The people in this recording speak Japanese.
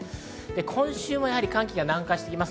今週も寒気が南下してきます。